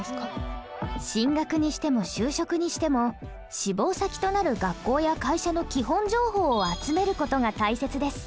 進学にしても就職にしても志望先となる学校や会社の基本情報を集める事が大切です。